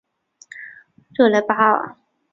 热莱巴尔。